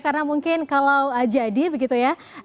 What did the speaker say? karena mungkin kalau jadi begitu ya